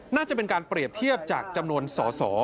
น่าจะเป็นการเปรียบเทียบจากจำนวนสอสอ